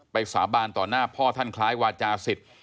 สาบานต่อหน้าพ่อท่านคล้ายวาจาศิษย์